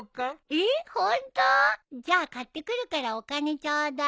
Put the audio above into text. えっホント？じゃあ買ってくるからお金ちょうだい。